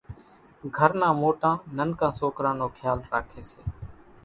گھر نان موٽان ننڪان سوڪران نو کيال راکي سي